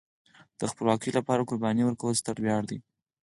د خپلواکۍ لپاره قرباني ورکول ستر ویاړ دی.